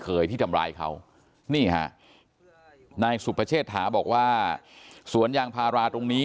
เคยที่ทำร้ายเขานี่ฮะนายสุพเชษฐาบอกว่าสวนยางพาราตรงนี้